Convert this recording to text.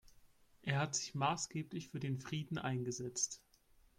Er hat sich maßgeblich für den Frieden eingesetzt.